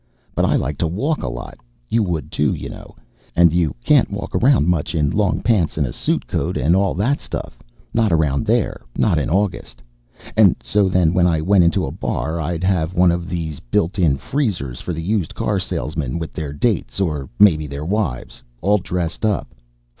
But I like to walk a lot. You would, too, you know. And you can't walk around much in long pants and a suit coat and all that stuff. Not around there. Not in August. And so then, when I went into a bar, it'd have one of those built in freezers for the used car salesmen with their dates, or maybe their wives, all dressed up.